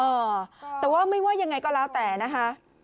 เออแต่ว่าไม่ว่ายังไงก็แล้วแต่นะคะ